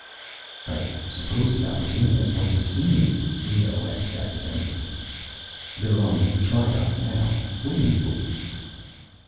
"I suppose the Acquatainians want to see me?" Leoh asked academically. "They're on the tri di now, waiting for you."